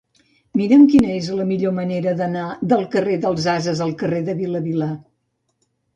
Mira'm quina és la millor manera d'anar del carrer dels Ases al carrer de Vila i Vilà.